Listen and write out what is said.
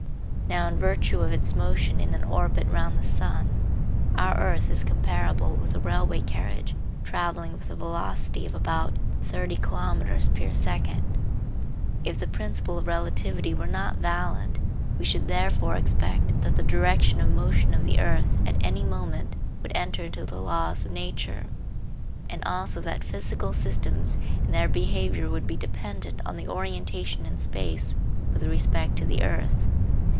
Now in virtue of its motion in an orbit round the sun, our earth is comparable with a railway carriage travelling with a velocity of about 30 kilometres per second. If the principle of relativity were not valid we should therefore expect that the direction of motion of the earth at any moment would enter into the laws of nature, and also that physical systems in their behaviour would be dependent on the orientation in space with respect to the earth.